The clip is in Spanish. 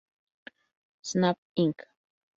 Snap Inc.